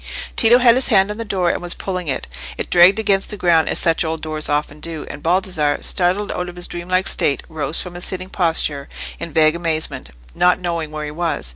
Tito had his hand on the door and was pulling it: it dragged against the ground as such old doors often do, and Baldassarre, startled out of his dreamlike state, rose from his sitting posture in vague amazement, not knowing where he was.